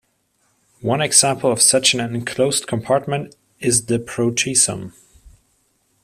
One example of such an enclosed compartment is the proteasome.